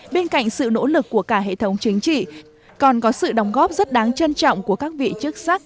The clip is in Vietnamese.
bên cạnh sự nỗ lực của cả hệ thống chính trị còn có sự đóng góp rất đáng trân trọng của các vị chức sắc